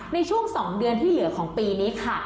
ในช่วง๒เดือนที่เหลือของปีนี้ค่ะ